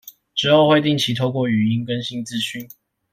之後會定期透過語音更新資訊